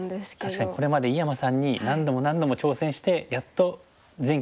確かにこれまで井山さんに何度も何度も挑戦してやっと前期棋聖を奪ったんですよね。